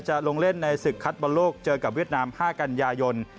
จะลงเล่นในศึกคัดบอลโลกเจอกับเวียดนาม๕กันยายน